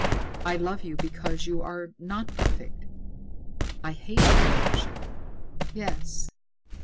"I love you because you are not perfect. I hate perfection!" "Yes.